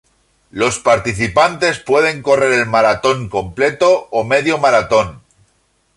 Los participantes pueden correr el maratón completo o medio maratón.